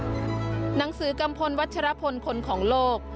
หนังสือกัมพลวัชรพลคนของโลก